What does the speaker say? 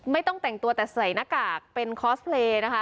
ไม่ต้องแต่งตัวแต่ใส่หน้ากากเป็นคอสเพลย์นะคะ